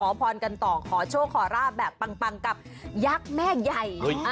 พรกันต่อขอโชคขอราบแบบปังกับยักษ์แม่ใหญ่